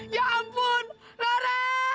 ya ampun laura